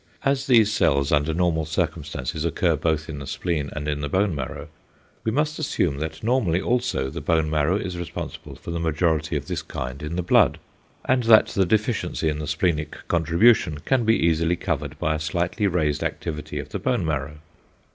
As these cells under normal circumstances occur both in the spleen and in the bone marrow, we must assume that normally also the bone marrow is responsible for the majority of this kind in the blood, and that the deficiency in the splenic contribution can be easily covered by a slightly raised activity of the bone marrow.